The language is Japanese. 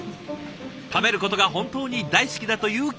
食べることが本当に大好きだというケビンさん。